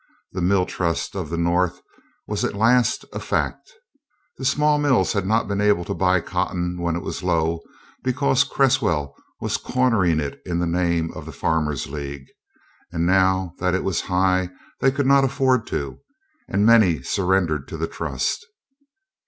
The mill trust of the North was at last a fact. The small mills had not been able to buy cotton when it was low because Cresswell was cornering it in the name of the Farmers' League; now that it was high they could not afford to, and many surrendered to the trust.